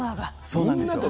そうなんですよ。